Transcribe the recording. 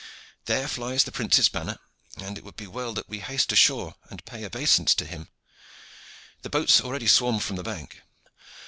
There flies the prince's banner, and it would be well that we haste ashore and pay our obeisance to him. The boats already swarm from the bank."